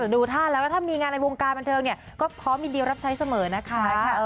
ดูท่านแล้วถ้ามีงานในวงการบรรเทิงก็พร้อมอีกเดียวรับใช้เสมอนะคะ